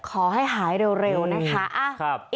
ขอให้หายเร็วนะคะ